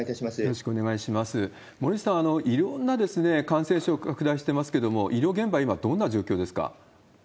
森内さん、いろんな感染症拡大してますけれども、医療現場、今、どんな状況ですか？